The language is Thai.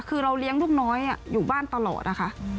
คือเราเลี้ยงลูกน้อยอยู่บ้านตลอดนะคะ